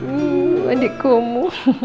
aduh adik kamu